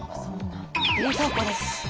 冷蔵庫です。